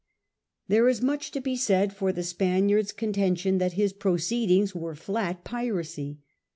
There is much to be said for the Spaniard's conten tion that his proceedings were flat piracy.